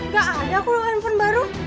gak ada aku loh handphone baru